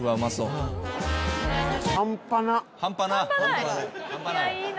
半端なっ！